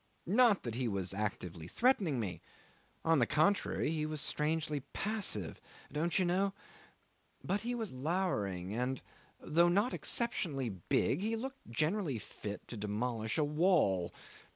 Not that he was actively threatening me. On the contrary, he was strangely passive don't you know? but he was lowering, and, though not exceptionally big, he looked generally fit to demolish a wall.